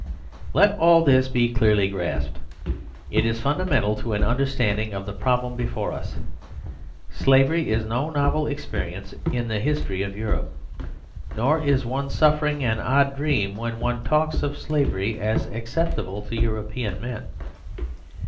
Let all this be clearly grasped. It is fundamental to an understanding of the problem before us. Slav ery is no novel experience in the history of Europe; nor is one suffering an odd dream when one talks of Slavery as acceptable to European men.